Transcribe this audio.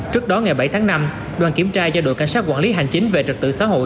trước đó ngày bảy tháng năm đoàn kiểm tra do đội cảnh sát quản lý hành chính về trật tự xã hội